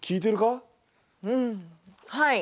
うんはい。